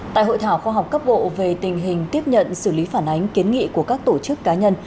tại hội thảo khoa học cấp bộ về tình hình tiếp nhận xử lý phản ánh kiến nghị của các tổ chức cá nhân